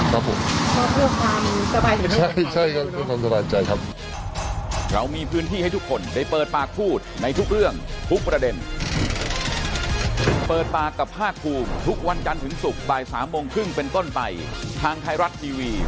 ครับผมใช่ครับเพื่อทำสบายใจครับ